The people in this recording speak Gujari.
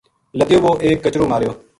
لَدیو وو ایک کچرو ماریو